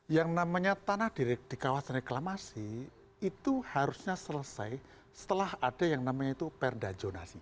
yang namanya tanah di kawasan reklamasi itu harusnya selesai setelah ada yang namanya itu perda jonasi